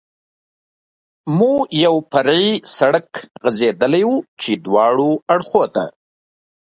مو یو فرعي سړک غځېدلی و، چې دواړو اړخو ته.